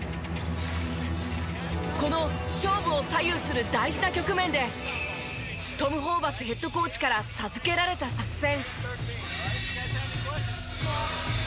この勝負を左右する大事な局面でトム・ホーバスヘッドコーチから授けられた作戦。